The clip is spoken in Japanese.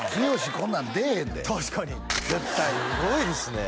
こんなん出えへんで絶対確かにすごいですね